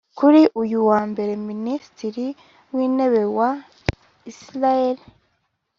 Kuri uyu wa Mbere Minisitiri w’Intebe wa Israel